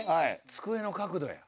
机の角度や。